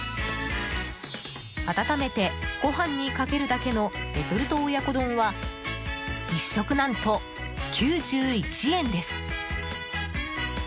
温めてご飯にかけるだけのレトルト親子丼は１食、何と９１円です。